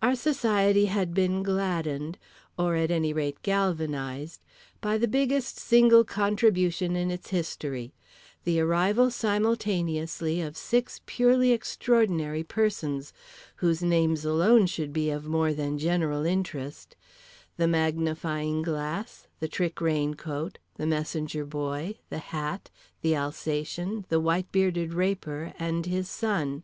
Our society had been gladdened—or at any rate galvanized—by the biggest single contribution in its history; the arrival simultaneously of six purely extraordinary persons, whose names alone should be of more than general interest: The Magnifying Glass, The Trick Raincoat, The Messenger Boy, The Hat, The Alsatian, The Whitebearded Raper and His Son.